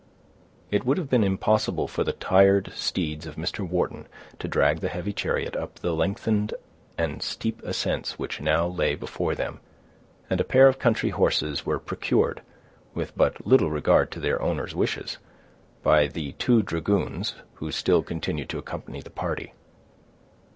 It would have been impossible for the tired steeds of Mr. Wharton to drag the heavy chariot up the lengthened and steep ascents which now lay before them; and a pair of country horses were procured, with but little regard to their owner's wishes, by the two dragoons who still continued to accompany the party.